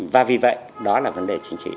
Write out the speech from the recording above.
và vì vậy đó là vấn đề chính trị